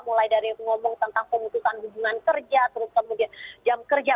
mulai dari ngomong tentang pemutusan hubungan kerja terus kemudian jam kerja